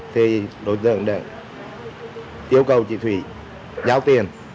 thì đối tượng đã yêu cầu chị thủy giao tiền